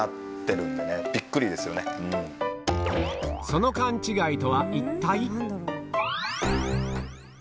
その勘違いとは一体？